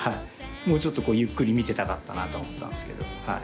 もうちょっとゆっくり見てたかったなとは思ったんすけど。